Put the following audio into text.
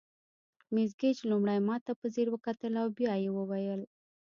مس ګیج لومړی ماته په ځیر وکتل او بیا یې وویل.